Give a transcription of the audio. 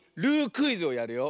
クイズをやるよ。